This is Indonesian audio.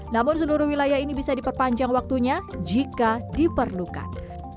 namun seluruh wilayah ini bisa diperpanjang waktunya jika diperlukan